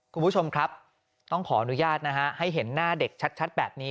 คุณผู้ชมครับต้องขออนุญาตนะฮะให้เห็นหน้าเด็กชัดแบบนี้